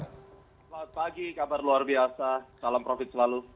selamat pagi kabar luar biasa salam profit selalu